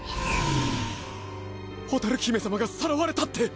蛍姫様がさらわれたって！